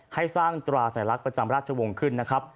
ให้สร้างตราสัญลักษณ์ประจำราชวงศ์ขึ้นนะครับ